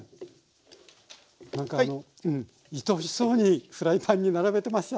なんかあのいとおしそうにフライパンに並べてました。